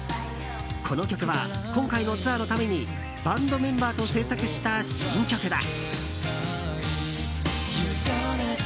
この曲は、今回のツアーのためにバンドメンバーと制作した新曲だ。